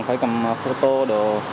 phải cầm photo đồ